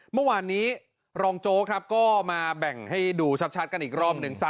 เมื่อวานนี้รองโจ๊กครับก็มาแบ่งให้ดูชัดกันอีกรอบหนึ่ง